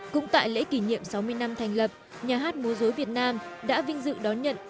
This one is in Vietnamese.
cũng tại lễ kỷ niệm sáu mươi năm thành lập nhà hát múa dối việt nam đã vinh dự đón nhận